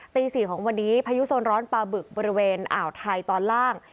ตี๔ของวันนี้พายุโซนร้อนปลาบึกบริเวณอ่าวไทยตอนล่าง